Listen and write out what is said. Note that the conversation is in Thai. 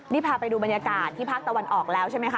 นี่พาไปดูบรรยากาศที่ภาคตะวันออกแล้วใช่ไหมคะ